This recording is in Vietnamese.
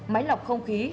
máy lọc không khí